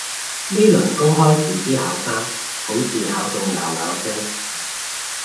呢輪公開試啲考生好似考到拗拗聲